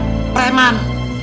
jangan suka piar preman